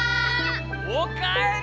おかえり！